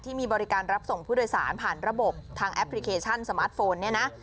มีบริการรับส่งผู้โดยสารผ่านระบบทางแอปพลิเคชันสมาร์ทโฟนเนี่ยนะ